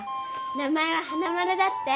名前は花丸だって。